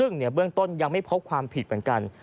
ซึ่งเบื้องต้นยังไม่พบความผิดเหมือนกัน